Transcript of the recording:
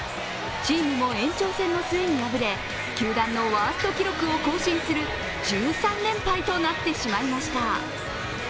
チームも延長戦の末に敗れ、球団のワースト記録を更新する、１３連敗となってしまいました。